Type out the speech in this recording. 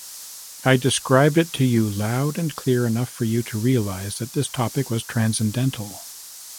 I described it to you loud and clear enough for you to realize that this topic was transcendental.